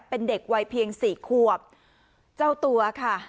เป็นเด็กวัยเพียงสี่ขวบเจ้าตัวค่ะ